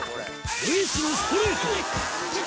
ルイスのストレート！